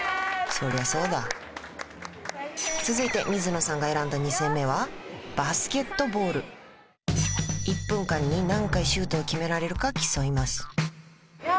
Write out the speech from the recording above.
そりゃそうだ続いて水野さんが選んだ１分間に何回シュートを決められるか競います